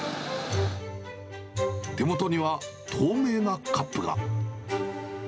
手元には透明なカップが。